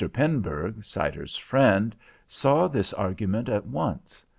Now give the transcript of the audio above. Pernburg, Sider's friend, saw this argument at once.